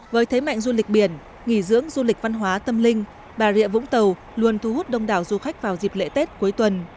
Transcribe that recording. với thế mạnh du lịch biển nghỉ dưỡng du lịch văn hóa tâm linh bà rịa vũng tàu luôn thu hút đông đảo du khách vào dịp lễ tết cuối tuần